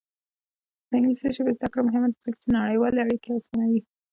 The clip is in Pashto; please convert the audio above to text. د انګلیسي ژبې زده کړه مهمه ده ځکه چې نړیوالې اړیکې اسانوي.